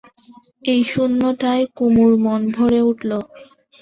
এই শূন্যতায় কুমুর মন ভয়ে ভরে উঠল।